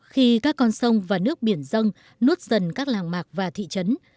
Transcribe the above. khi các con sông và nước biển dâng nuốt dần các làng mạc và thị trấn